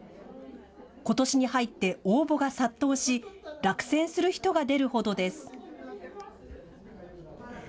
ことしに入って応募が殺到し落選する人が出るほどです。